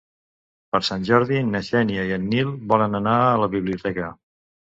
Per Sant Jordi na Xènia i en Nil volen anar a la biblioteca.